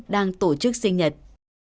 đang tổ chức sinh nhật